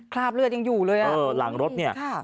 คราบเลือดยังอยู่เลยอ่ะเออหลังรถเนี่ย